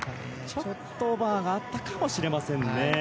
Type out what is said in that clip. ちょっとオーバーがあったかもしれませんね。